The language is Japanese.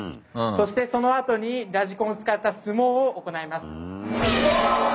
そしてそのあとにラジコンを使った相撲を行います。